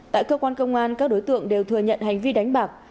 tại cơ quan công an các đối tượng đều thừa nhận hành vi đánh bạc